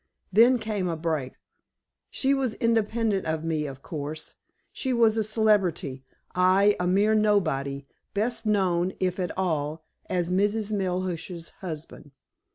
Then came a break. She was independent of me, of course. She was a celebrity, I a mere nobody, best known, if at all, as 'Miss Melhuish's husband.